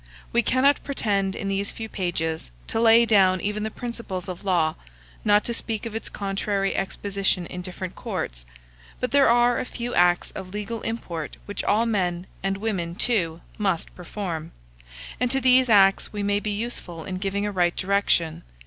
We cannot pretend, in these few pages, to lay down even the principles of law, not to speak of its contrary exposition in different courts; but there are a few acts of legal import which all men and women too must perform; and to these acts we may be useful in giving a right direction.